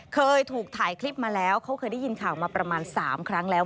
เคยถูกถ่ายคลิปมาแล้วเขาเคยได้ยินข่าวมาประมาณ๓ครั้งแล้ว